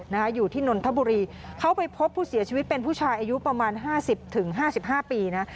นะคะอยู่ที่นนทบุรีเขาไปพบผู้เสียชีวิตเป็นผู้ชายอายุประมาณห้าสิบถึงห้าสิบห้าปีนะ